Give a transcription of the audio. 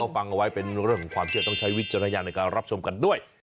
ฟังเอาไว้เป็นเรื่องของความเชื่อต้องใช้วิจารณญาณในการรับชมกันด้วย